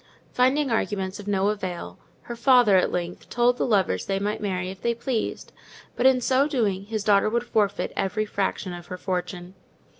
Finding arguments of no avail, her father, at length, told the lovers they might marry if they pleased; but, in so doing, his daughter would forfeit every fraction of her fortune.